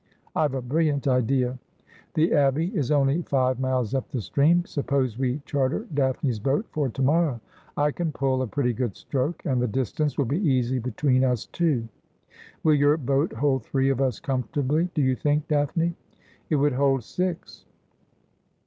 I've a brilliant idea. The Abbey is only five miles up the stream. Suppose we charter Daphne's boat for to morrow. I can pull a pretty good stroke, and the distance will be easy between us two. Will your boat hold three of us comfortably, do you think, Daphne ?'' It would hold six.'